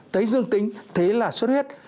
thấy dương tính thế là sốt huyết